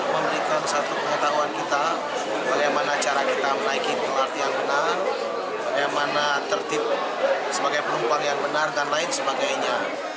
memberikan satu pengetahuan kita bagaimana cara kita menaiki lrt yang benar yang mana tertib sebagai penumpang yang benar dan lain sebagainya